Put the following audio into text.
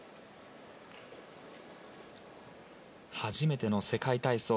初めての世界体操。